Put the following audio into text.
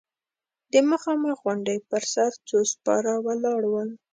د مخامخ غونډۍ پر سر څو سپاره ولاړ ول.